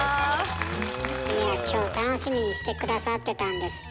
いやぁ今日楽しみにして下さってたんですって？